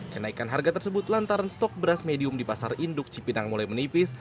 kenaikan harga tersebut lantaran stok beras medium di pasar induk cipinang mulai menipis